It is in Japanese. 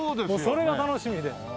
それが楽しみで。